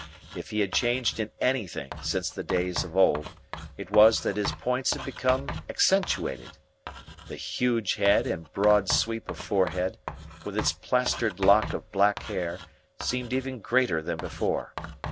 If he had changed in anything since the days of old, it was that his points had become accentuated. The huge head and broad sweep of forehead, with its plastered lock of black hair, seemed even greater than before.